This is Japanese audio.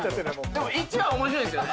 でも１は面白いんですよね？